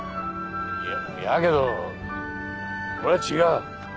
ややけどこれは違う。